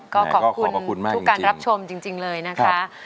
ก็ขอบคุณทุกการรับชมจริงเลยนะคะ